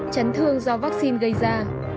chấn thương do vaccine gây ra